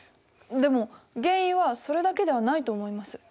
でも原因はそれだけではないと思います。